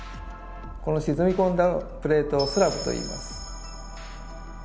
この沈み込んだプレートを「スラブ」といいます。